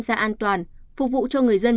để lê hội diễn ra an toàn phục vụ cho người dân